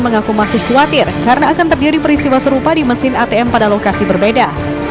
mengaku masih khawatir karena akan terjadi peristiwa serupa di mesin atm pada lokasi berbeda